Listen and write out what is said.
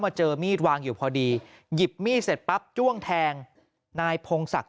เจอมีดวางอยู่พอดีหยิบมีดเสร็จปั๊บจ้วงแทงนายพงศักดิ์